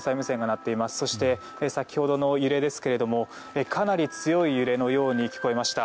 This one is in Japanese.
そして、先ほどの揺れですがかなり強い揺れのように聞こえました。